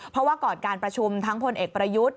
เพราะว่าก่อนการประชุมทั้งพลเอกประยุทธ์